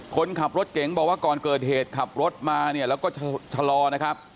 คนขับรถเก๋งบอกว่าก่อนเกิดเหตุขับรถมาเนี่ยแล้วก็ชะลอนะครับ